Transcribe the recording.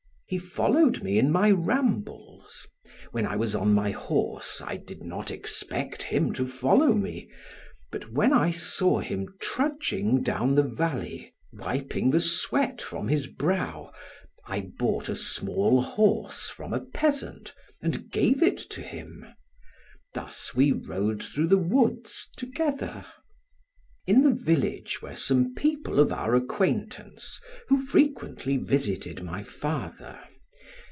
He followed me in my rambles; when I was on my horse I did not expect him to follow me, but when I saw him trudging down the valley, wiping the sweat from his brow, I bought a small horse from a peasant and gave it to him; thus we rode through the woods together. In the village were some people of our acquaintance who frequently visited my father.